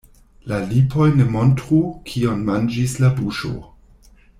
La lipoj ne montru, kion manĝis la buŝo.